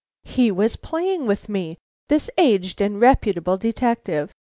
He was playing with me, this aged and reputable detective.